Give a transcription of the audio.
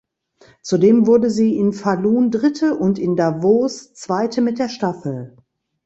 Zudem wurde sie in Falun Dritte und in Davos Zweite mit der Staffel.